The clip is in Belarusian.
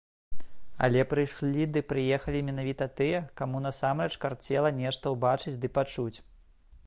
Але прыйшлі ды прыехалі менавіта тыя, каму насамрэч карцела нешта ўбачыць ды пачуць.